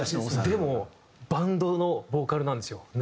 でもバンドのボーカルなんですよなんかもう。